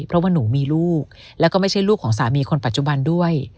เพราะว่าหนูมีลูกแล้วก็ไม่ใช่ลูกของสามีคนปัจจุบันด้วย